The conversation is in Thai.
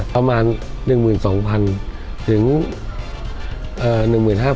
ประมาณ๑๒๐๐๐ถึง๑๕๐๐บาท